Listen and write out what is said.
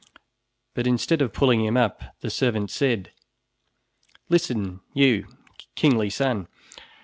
But instead of pulling him up, the servant said: "Listen, you, kingly son!